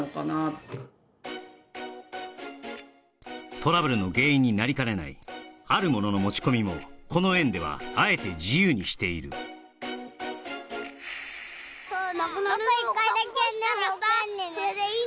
トラブルの原因になりかねないあるものの持ち込みもこの園ではあえて自由にしているふぅ